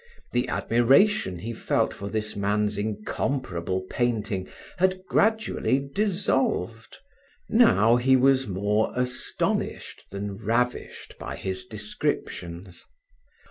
The admiration he felt for this man's incomparable painting had gradually dissolved; now he was more astonished than ravished by his descriptions.